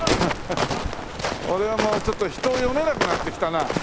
俺はもうちょっと人を読めなくなってきたな。